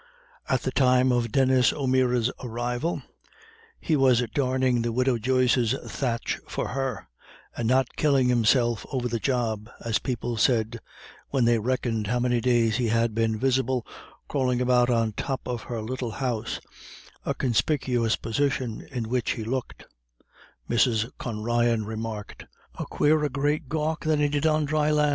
At the time of Denis O'Meara's arrival, he was darning the widow Joyce's thatch for her, and "not killin' himself ever the job," as people said, when they reckoned how many days he had been visible crawling about on the top of her little house, a conspicuous position in which he looked, Mrs. Con Ryan remarked, "a quarer great gawk than he did on dry lan'."